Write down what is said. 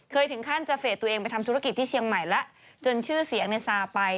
ถึงขั้นจะเฟสตัวเองไปทำธุรกิจที่เชียงใหม่แล้วจนชื่อเสียงในซาไป